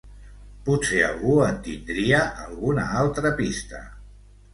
Potser algú en tindria alguna altra pista...